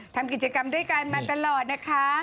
ทำกิจกรรมด้วยกันมาตลอดนะคะ